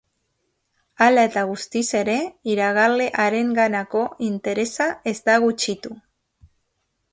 Hala eta guztiz ere, iragarle harenganako interesa ez da gutxitu.